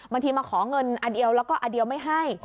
มาขอเงินอันเดียวแล้วก็อันเดียวไม่ให้